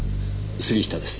杉下です。